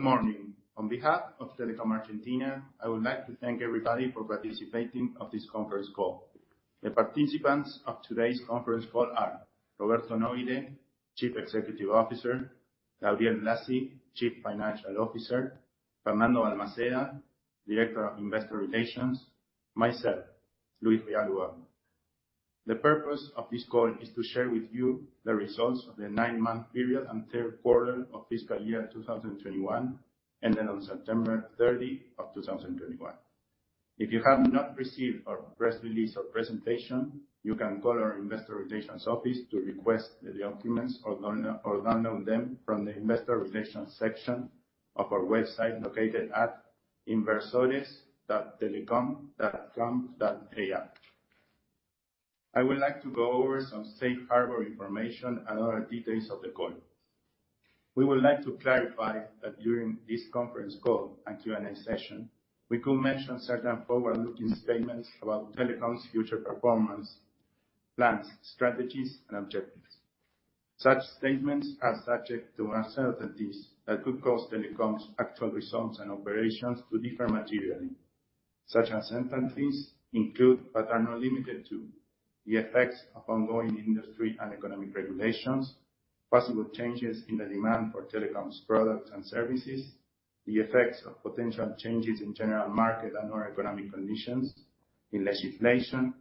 Good morning. On behalf of Telecom Argentina, I would like to thank everybody for participating in this conference call. The participants of today's conference call are Roberto Nobile, Chief Executive Officer, Gabriel Blasi, Chief Financial Officer, Fernando Balmaceda, Director of Investor Relations, myself, Luis Rial Ubago. The purpose of this call is to share with you the results of the nine-month period and third quarter of fiscal year 2021, ending on September 30 of 2021. If you have not received our press release or presentation, you can call our investor relations office to request the documents or download them from the investor relations section of our website located at inversores.telecom.com.ar. I would like to go over some safe harbor information and other details of the call. We would like to clarify that during this conference call and Q&A session, we could mention certain forward-looking statements about Telecom's future performance, plans, strategies, and objectives. Such statements are subject to uncertainties that could cause Telecom's actual results and operations to differ materially. Such uncertainties include, but are not limited to, the effects of ongoing industry and economic regulations, possible changes in the demand for Telecom's products and services, the effects of potential changes in general market and/or economic conditions, in legislation,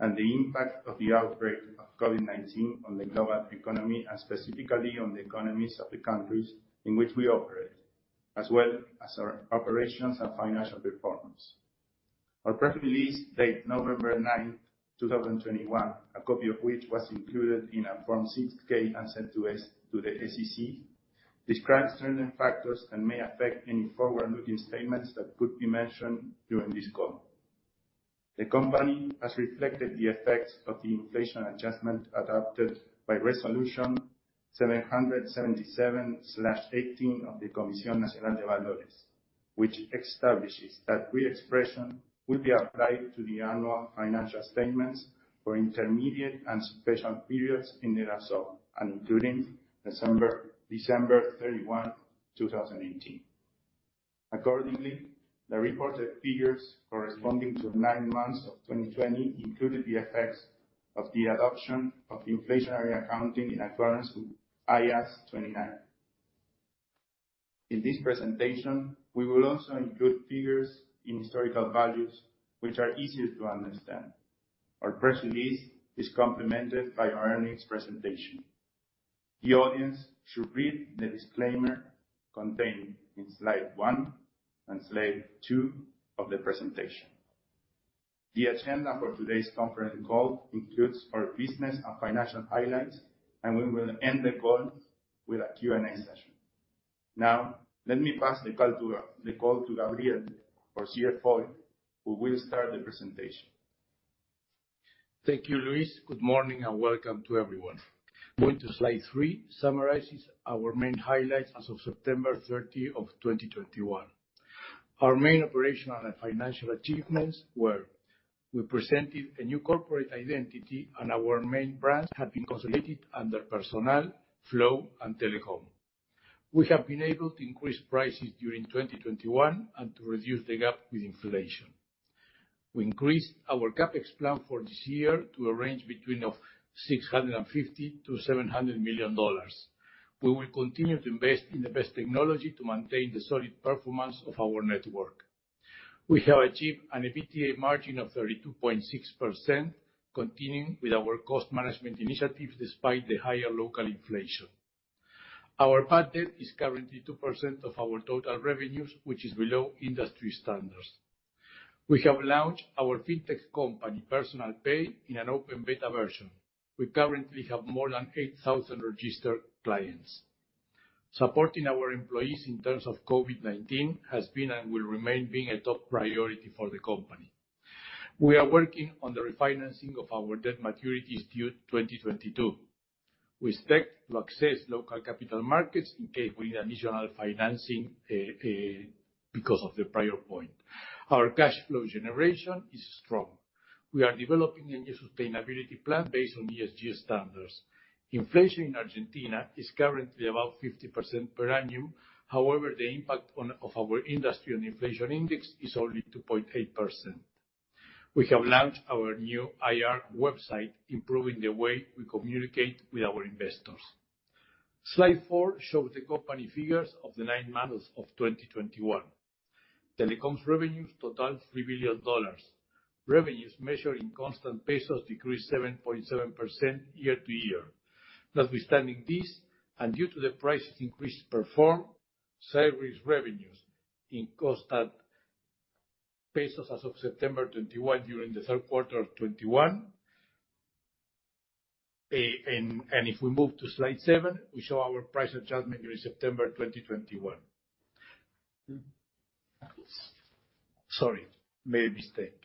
and the impact of the outbreak of COVID-19 on the global economy, and specifically on the economies of the countries in which we operate, as well as our operations and financial performance. Our press release dated November 9, 2021, a copy of which was included in a Form 6-K and sent to the SEC, describes certain factors that may affect any forward-looking statements that could be mentioned during this call. The company has reflected the effects of the inflation adjustment adopted by Resolution 777/18 of the Comisión Nacional de Valores, which establishes that reexpression will be applied to the annual financial statements for the fiscal year ended December 31, 2018, and subsequent interim and special periods. Accordingly, the reported figures corresponding to the nine months of 2020 included the effects of the adoption of inflationary accounting in accordance with IAS 29. In this presentation, we will also include figures in historical values which are easier to understand. Our press release is complemented by our earnings presentation. The audience should read the disclaimer contained in slide one and slide two of the presentation. The agenda for today's conference call includes our business and financial highlights, and we will end the call with a Q&A session. Now, let me pass the call to Gabriel, our CFO, who will start the presentation. Thank you, Luis. Good morning and welcome to everyone. Going to slide three summarizes our main highlights as of September 30, 2021. Our main operational and financial achievements were we presented a new corporate identity and our main brands have been consolidated under Personal, Flow, and Telecom. We have been able to increase prices during 2021 and to reduce the gap with inflation. We increased our CapEx plan for this year to a range between $650 million-$700 million. We will continue to invest in the best technology to maintain the solid performance of our network. We have achieved an EBITDA margin of 32.6% continuing with our cost management initiative despite the higher local inflation. Our payout is currently 2% of our total revenues, which is below industry standards. We have launched our fintech company, Personal Pay, in an open beta version. We currently have more than 8,000 registered clients. Supporting our employees in terms of COVID-19 has been and will remain being a top priority for the company. We are working on the refinancing of our debt maturities due 2022. We seek to access local capital markets in case we need additional financing, because of the prior point. Our cash flow generation is strong. We are developing a new sustainability plan based on ESG standards. Inflation in Argentina is currently about 50% per annum. However, the impact of our industry on inflation index is only 2.8%. We have launched our new IR website, improving the way we communicate with our investors. Slide four shows the company figures of the nine months of 2021. Telecom's revenues totaled $3 billion. Revenues measured in constant pesos decreased 7.7% year-over-year. Notwithstanding this, and due to the price increase performed, service revenues in constant pesos as of September 2021 during the third quarter of 2021. If we move to slide seven, we show our price adjustment during September 2021. Sorry, made a mistake.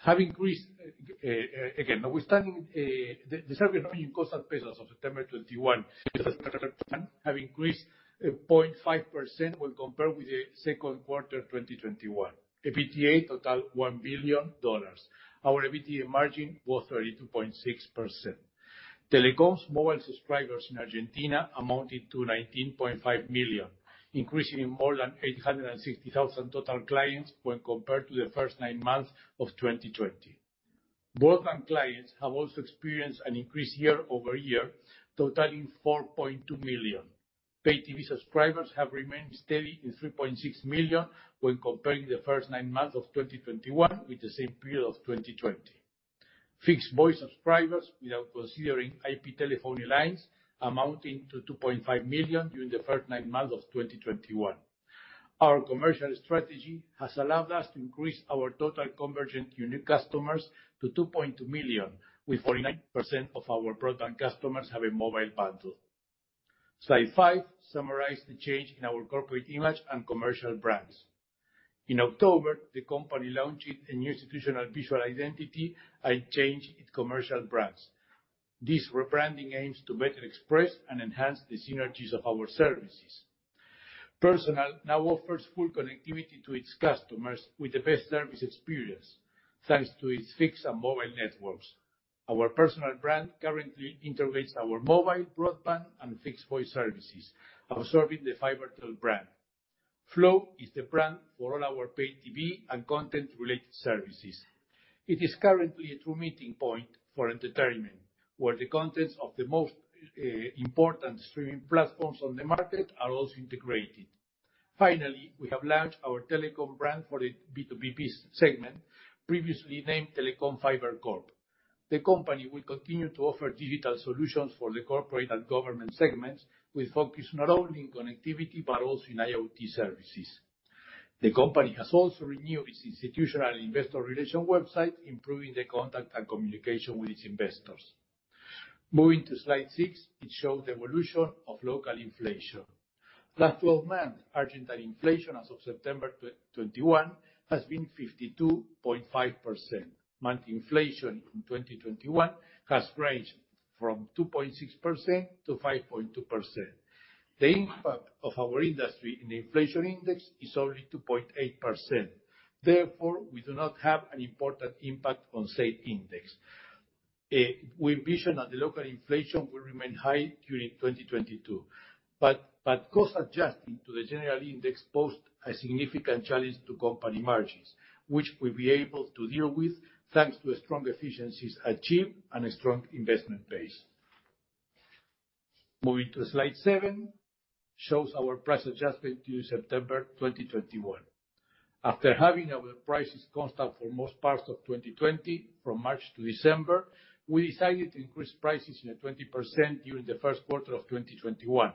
Have increased. The service revenue in constant pesos of September 2021 have increased 8.5% when compared with the second quarter 2021. EBITDA totaled $1 billion. Our EBITDA margin was 32.6%. Telecom's mobile subscribers in Argentina amounted to 19.5 million, increasing in more than 860,000 total clients when compared to the first nine months of 2020. Broadband clients have also experienced an increase year-over-year, totaling 4.2 million. Pay TV subscribers have remained steady in 3.6 million when comparing the first nine months of 2021 with the same period of 2020. Fixed voice subscribers, without considering IP telephony lines, amounting to 2.5 million during the first nine months of 2021. Our commercial strategy has allowed us to increase our total convergent unique customers to 2.2 million, with 49% of our broadband customers having a mobile bundle. Slide five summarizes the change in our corporate image and commercial brands. In October, the company launched a new institutional visual identity and changed its commercial brands. This rebranding aims to better express and enhance the synergies of our services. Personal now offers full connectivity to its customers with the best service experience, thanks to its fixed and mobile networks. Our Personal brand currently integrates our mobile, broadband, and fixed voice services, absorbing the Fibertel brand. Flow is the brand for all our Pay TV and content-related services. It is currently a true meeting point for entertainment, where the contents of the most important streaming platforms on the market are also integrated. Finally, we have launched our Telecom brand for the B2B segment, previously named Telecom Fibercorp. The company will continue to offer digital solutions for the corporate and government segments, with focus not only in connectivity, but also in IoT services. The company has also renewed its institutional investor relations website, improving the contact and communication with its investors. Moving to slide six, it shows the evolution of local inflation. Last 12 months, Argentine inflation as of September 2021 has been 52.5%. Monthly inflation in 2021 has ranged from 2.6%-5.2%. The impact of our industry in the inflation index is only 2.8%. Therefore, we do not have an important impact on said index. We envision that the local inflation will remain high during 2022, but costs adjusting to the general index posed a significant challenge to company margins, which we'll be able to deal with, thanks to the strong efficiencies achieved and a strong investment base. Moving to slide seven shows our price adjustment to September 2021. After having our prices constant for most parts of 2020, from March to December, we decided to increase prices by 20% during the first quarter of 2021.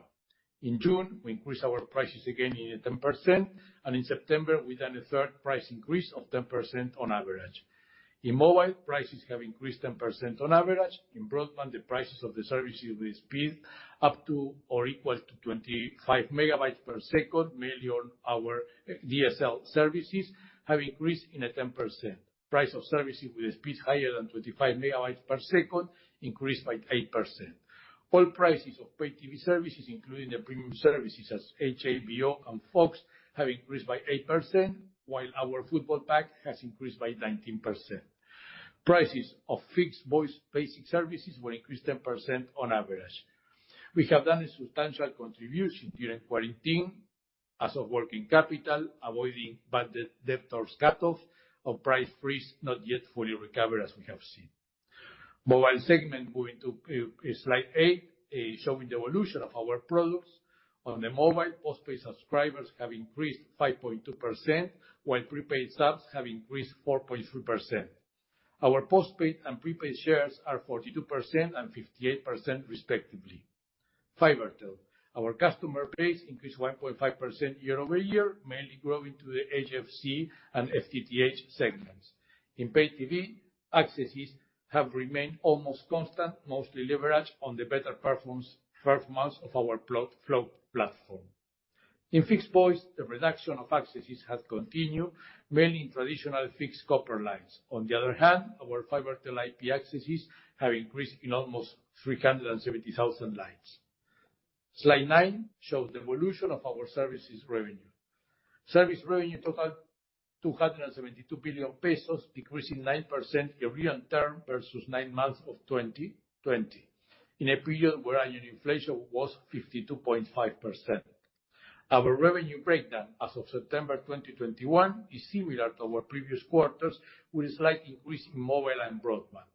In June, we increased our prices again by 10%, and in September, we did a third price increase of 10% on average. In mobile, prices have increased 10% on average. In broadband, the prices of the services with speed up to or equal to 25 MB/s, mainly on our DSL services, have increased by a 10%. Prices of services with a speed higher than 25 MB/s increased by 8%. All prices of Pay TV services, including the premium services as HBO and Fox, have increased by 8%, while our football pack has increased by 19%. Prices of fixed voice basic services were increased 10% on average. We have done a substantial contribution during quarantine as a working capital, avoiding bad debtor cutoff of price freeze not yet fully recovered, as we have seen. Mobile segment, moving to slide eight, is showing the evolution of our products. On the mobile, postpaid subscribers have increased 5.2%, while prepaid subs have increased 4.3%. Our postpaid and prepaid shares are 42% and 58% respectively. Fibertel. Our customer base increased 1.5% year-over-year, mainly growing to the HFC and FTTH segments. In Pay TV, accesses have remained almost constant, mostly leveraged on the better performance of our Flow platform. In fixed voice, the reduction of accesses has continued, mainly in traditional fixed copper lines. On the other hand, our Fibertel IP accesses have increased by almost 370,000 lines. Slide nine shows the evolution of our services revenue. Service revenue totaled 272 billion pesos, decreasing 9% year-on-year versus nine months of 2020, in a period where annual inflation was 52.5%. Our revenue breakdown as of September 2021 is similar to our previous quarters, with a slight increase in mobile and broadband.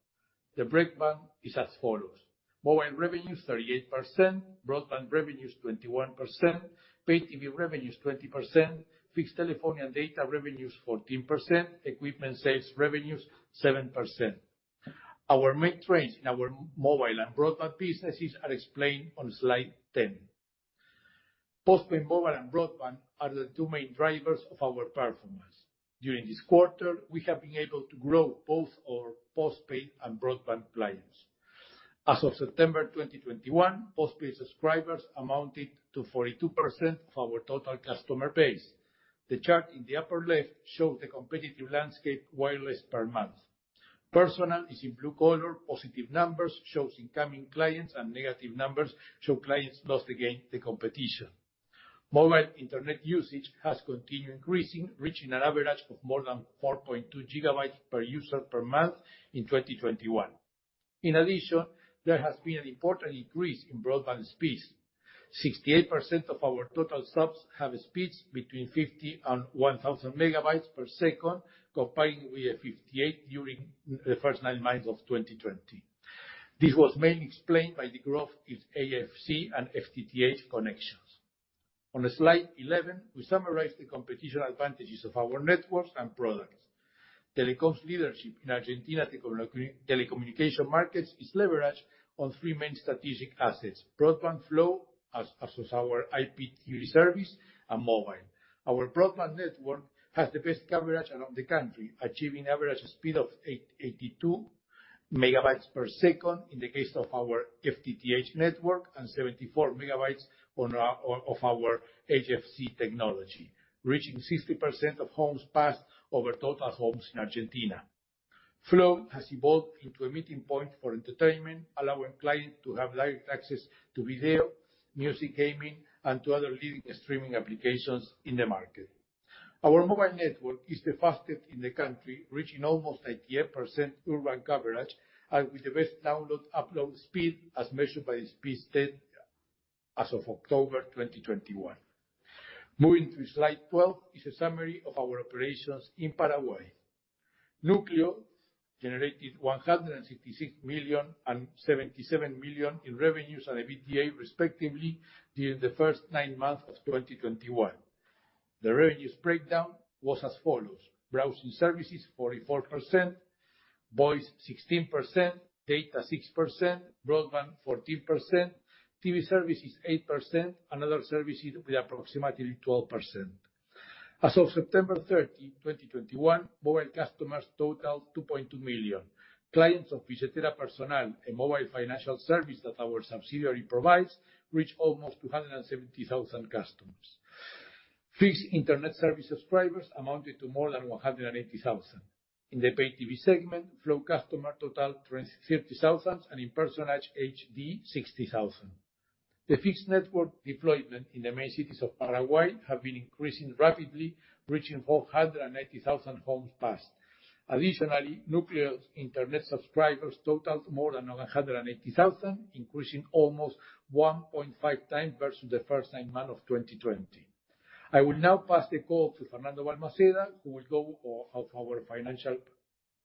The breakdown is as follows. Mobile revenues, 38%. Broadband revenues, 21%. Pay TV revenues, 20%. Fixed telephone and data revenues, 14%. Equipment sales revenues, 7%. Our main trends in our mobile and broadband businesses are explained on slide 10. Postpaid mobile and broadband are the two main drivers of our performance. During this quarter, we have been able to grow both our postpaid and broadband clients. As of September 2021, postpaid subscribers amounted to 42% of our total customer base. The chart in the upper left shows the competitive landscape wireless per month. Personal is in blue color. Positive numbers shows incoming clients, and negative numbers show clients lost against the competition. Mobile internet usage has continued increasing, reaching an average of more than 4.2 GB per user per month in 2021. In addition, there has been an important increase in broadband speeds. 68% of our total subs have speeds between 50 and 1000 MB/s, comparing with 58 during the first nine months of 2020. This was mainly explained by the growth in HFC and FTTH connections. On slide 11, we summarize the competitive advantages of our networks and products. Telecom's leadership in Argentina telecommunication markets is leveraged on three main strategic assets: broadband, Flow, as is our IP TV service, and mobile. Our broadband network has the best coverage around the country, achieving average speed of 82 MB/s in the case of our FTTH network, and 74 MB on our HFC technology, reaching 60% of homes passed over total homes in Argentina. Flow has evolved into a meeting point for entertainment, allowing clients to have direct access to video, music, gaming, and to other leading streaming applications in the market. Our mobile network is the fastest in the country, reaching almost 88% urban coverage, and with the best download, upload speed as measured by Speedtest as of October 2021. Moving to slide 12 is a summary of our operations in Paraguay. Núcleo generated 166 million and 77 million in revenues and EBITDA, respectively, during the first nine months of 2021. The revenues breakdown was as follows. Browsing services 44%, voice 16%, data 6%, broadband 14%, TV services 8%, and other services with approximately 12%. As of September 30, 2021, mobile customers totaled 2.2 million. Clients of Billetera Personal, a mobile financial service that our subsidiary provides, reached almost 270,000 customers. Fixed Internet service subscribers amounted to more than 180,000. In the pay TV segment, Flow customer total 30,000, and in Personal HD, 60,000. The fixed network deployment in the main cities of Paraguay has been increasing rapidly, reaching 480,000 homes passed. Additionally, Núcleo's internet subscribers total more than 180,000, increasing almost 1.5x versus the first nine months of 2020. I will now pass the call to Fernando Balmaceda, who will go over our financial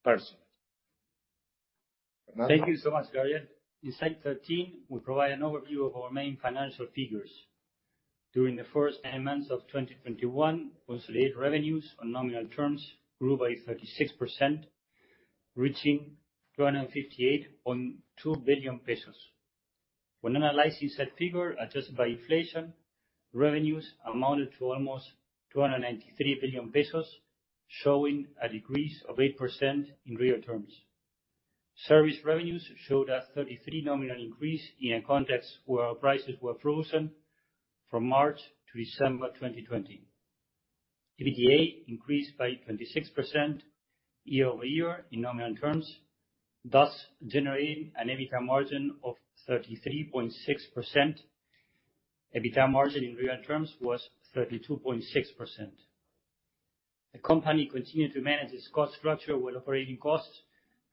presentation. Fernando? Thank you so much, Gabriel. In slide 13, we provide an overview of our main financial figures. During the first nine months of 2021, consolidated revenues on nominal terms grew by 36%, reaching ARS 258.2 billion. When analyzing said figure, adjusted by inflation, revenues amounted to almost 293 billion pesos, showing a decrease of 8% in real terms. Service revenues showed a 33% nominal increase in a context where prices were frozen from March to December 2020. EBITDA increased by 26% year-over-year in nominal terms, thus generating an EBITDA margin of 33.6%. EBITDA margin in real terms was 32.6%. The company continued to manage its cost structure, with operating costs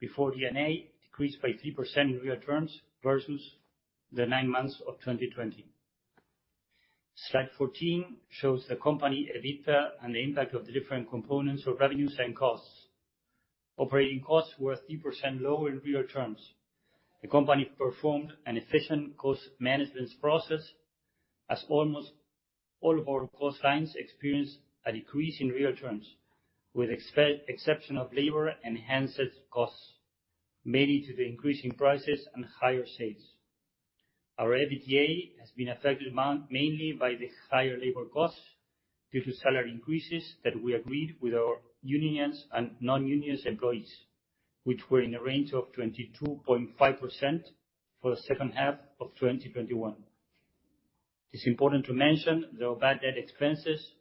before D&A decreased by 3% in real terms versus the nine months of 2020. Slide 14 shows the company EBITDA and the impact of the different components of revenues and costs. Operating costs were 3% lower in real terms. The company performed an efficient cost management process as almost all of our cost lines experienced a decrease in real terms, with exception of labor and handset costs, mainly due to the increasing prices and higher sales. Our EBITDA has been affected mainly by the higher labor costs due to salary increases that we agreed with our unions and non-union employees, which were in the range of 22.5% for the second half of 2021. It's important to mention that our bad debt expenses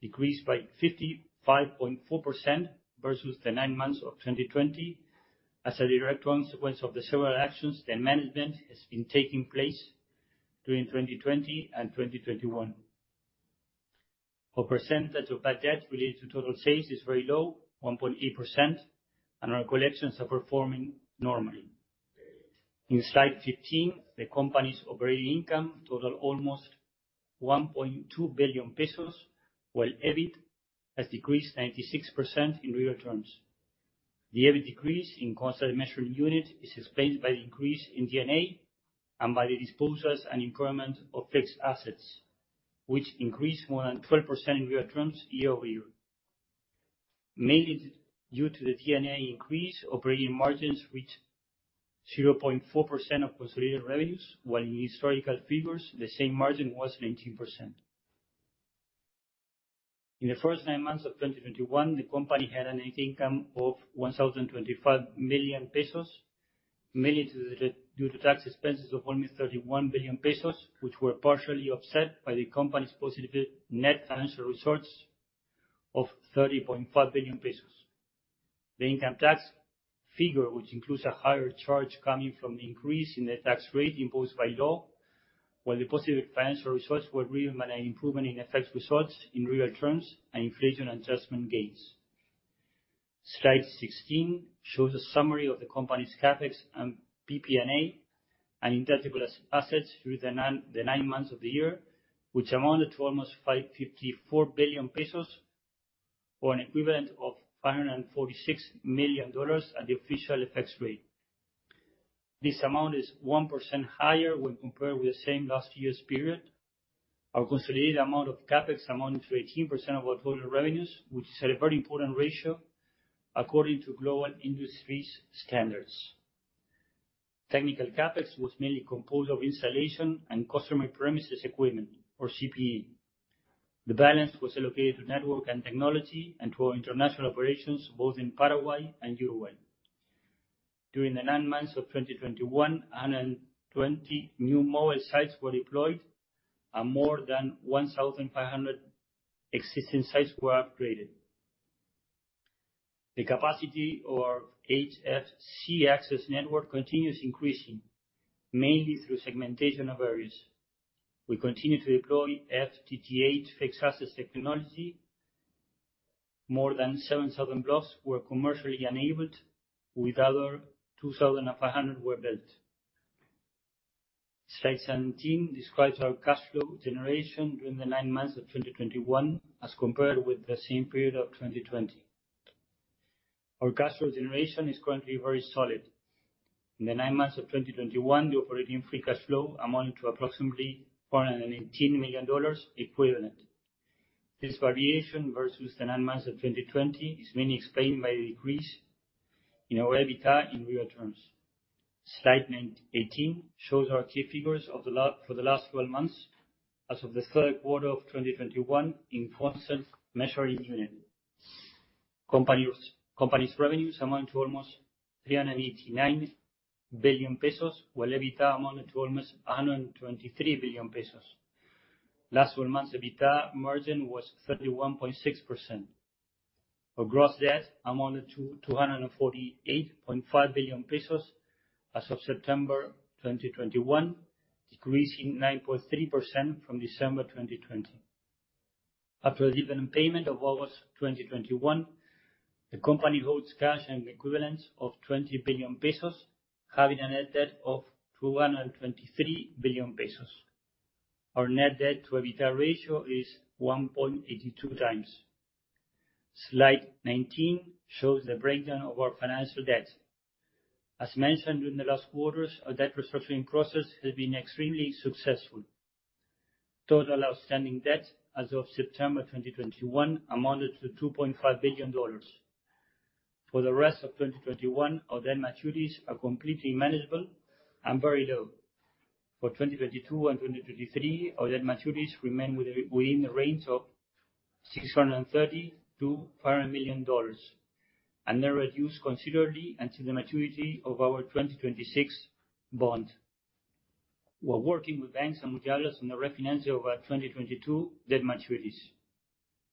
decreased by 55.4% versus the nine months of 2020, as a direct consequence of the several actions the management has been taking during 2020 and 2021. Our percentage of bad debt related to total sales is very low, 1.8%, and our collections are performing normally. In slide 15, the company's operating income totaled almost 1.2 billion pesos, while EBIT has decreased 96% in real terms. The EBIT decrease in constant measuring unit is explained by the increase in D&A and by the disposals and impairment of fixed assets, which increased more than 12% in real terms year-over-year. Mainly due to the D&A increase, operating margins reached 0.4% of consolidated revenues, while in historical figures, the same margin was 19%. In the first 9 months of 2021, the company had a net income of 1,025 billion pesos, mainly due to tax expenses of only 31 billion pesos, which were partially offset by the company's positive net financial results of 30.5 billion pesos. The income tax figure, which includes a higher charge coming from increase in the tax rate imposed by law, while the positive financial results were driven by an improvement in FX results in real terms and inflation adjustment gains. Slide 16 shows a summary of the company's CapEx and PP&E and intangible assets through the nine months of the year, which amounted to almost 554 billion pesos or an equivalent of $546 million at the official FX rate. This amount is 1% higher when compared with the same last year's period. Our consolidated amount of CapEx amounted to 18% of our total revenues, which is a very important ratio according to global industry standards. Technical CapEx was mainly composed of installation and customer premises equipment or CPE. The balance was allocated to network and technology and to our international operations both in Paraguay and Uruguay. During the nine months of 2021, 120 new mobile sites were deployed and more than 1,500 existing sites were upgraded. The capacity of HFC access network continues increasing, mainly through segmentation of areas. We continue to deploy FTTH fixed assets technology. More than 7,000 blocks were commercially enabled, with other 2,500 were built. Slide 17 describes our cash flow generation during the nine months of 2021 as compared with the same period of 2020. Our cash flow generation is currently very solid. In the nine months of 2021, the operating free cash flow amounted to approximately $418 million equivalent. This variation versus the nine months of 2020 is mainly explained by the decrease in our EBITDA in real terms. Slide 18 shows our key figures for the last 12 months as of the third quarter of 2021 in constant ARS. Company's revenues amount to almost 389 billion pesos, while EBITDA amounted to almost 123 billion pesos. Last twelve months EBITDA margin was 31.6%. Our gross debt amounted to 248.5 billion pesos as of September 2021, decreasing 9.3% from December 2020. After the dividend payment of August 2021, the company holds cash and equivalents of 20 billion pesos, having a net debt of 223 billion pesos. Our net debt to EBITDA ratio is 1.82x. Slide 19 shows the breakdown of our financial debt. As mentioned during the last quarters, our debt restructuring process has been extremely successful. Total outstanding debt as of September 2021 amounted to $2.5 billion. For the rest of 2021, our debt maturities are completely manageable and very low. For 2022 and 2023, our debt maturities remain within the range of $632 million, and they reduce considerably until the maturity of our 2026 bond. We're working with banks and mutuals on the refinance of our 2022 debt maturities.